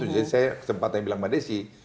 jadi saya sempat bilang sama desy